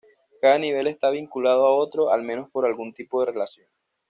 Cada nivel está vinculado a otro al menos por algún tipo de relación.